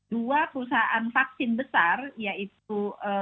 dua perusahaan vaksin besar yaitu